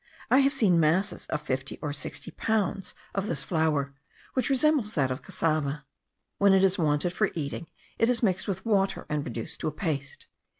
I have seen masses of fifty or sixty pounds of this flour, which resembles that of cassava. When it is wanted for eating, it is mixed with water, and reduced to a paste.